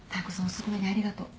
遅くまでありがとう。